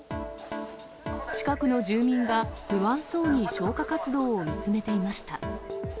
近くの住民が不安そうに消火活動を見つめていました。